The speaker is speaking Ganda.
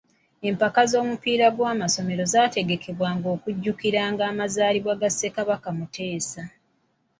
Mpaka za mupiira gw'amasomero ezaategekebwanga okujjukiranga amazaalibwa ga Ssekabaka Muteesa.